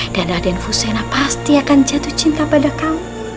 dan raden fusena pasti akan jatuh cinta pada kamu